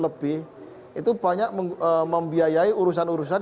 lebih itu banyak membiayai urusan urusan